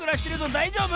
だいじょうぶ？